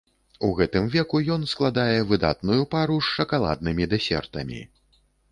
У гэтым веку ён складае выдатную пару з шакаладнымі дэсертамі.